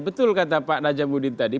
betul kata pak najamudin tadi